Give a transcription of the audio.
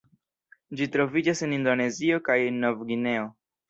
Ĝi troviĝas en Indonezio kaj Novgvineo.